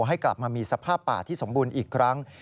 ให้กลับมามีสภาพป่าที่สมบูรณ์อีกครั้ง